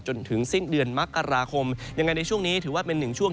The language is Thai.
จนถึงสิ้นเดือนมกราคมยังไงในช่วงนี้ถือว่าเป็นหนึ่งช่วง